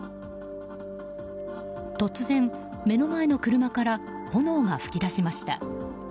突然、目の前の車から炎が噴き出しました。